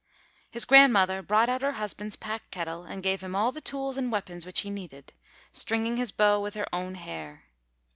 His grandmother brought out her husband's pack kettle, and gave him all the tools and weapons which he needed, stringing his bow with her own hair.